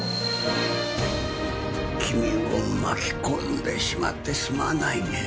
君を巻き込んでしまってすまないね。